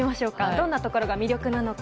どんなところが魅力なのか。